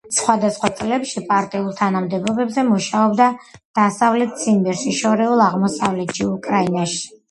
სხვადასხვა წლებში პარტიულ თანამდებობებზე მუშაობდა დასავლეთ ციმბირში, შორეულ აღმოსავლეთში, უკრაინაში.